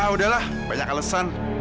udah lah banyak alesan